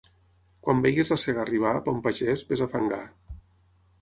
Quan vegis la cega arribar, bon pagès, ves a fangar.